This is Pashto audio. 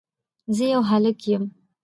زه يو هلک يم